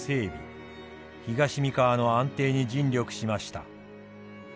東三河の安定に尽力しました。